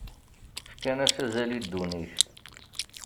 Fkan-as azal i ddunit.